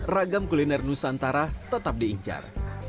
ragam kuliner nusantara tetap diincar